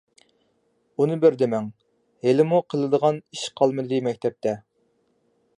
ئۇنى بىر دېمەڭ، ھېلىمۇ قىلىدىغان ئىش قالمىدى مەكتەپتە.